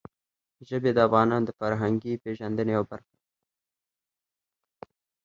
ژبې د افغانانو د فرهنګي پیژندنې یوه برخه ده.